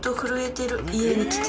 家に来て。